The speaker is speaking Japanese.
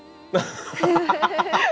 ハハハハ。